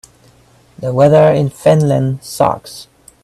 The weather in Finland sucks.